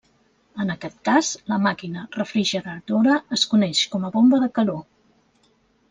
En aquest cas, la màquina refrigeradora es coneix com a bomba de calor.